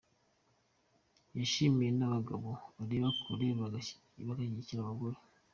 Yashimiye n’abagabo bareba kure bagashyigikira abagore.